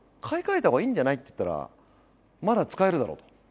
「“買い替えたほうがいいんじゃない？”って言ったら“まだ使えるだろ”と」